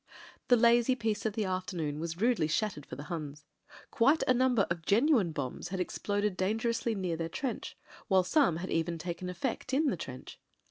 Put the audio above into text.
The lazy peace of the afternoon was rudely shat tered for the Huns. Quite a number of genuine bombs had exploded dangerously near their trench — ^while some had even taken effect in the trench.